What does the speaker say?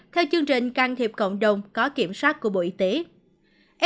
theo chương trình can thiệp cộng đồng có kiểm soát của bộ y tế